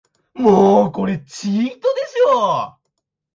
もうこれチートでしょ